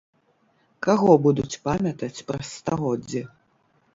Каго будуць памятаць праз стагоддзі?